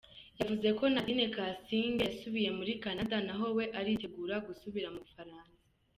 Yavuze ko Nadine Kasinge yasubiye muri Canada, naho we aritegura gusubira mu Bufaransa.